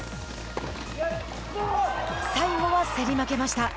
最後は競り負けました。